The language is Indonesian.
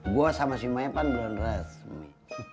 gue sama si maepan belum resmi